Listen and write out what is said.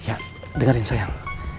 ya dengerin sayang